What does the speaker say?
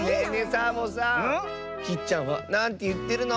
サボさんきっちゃんはなんていってるの？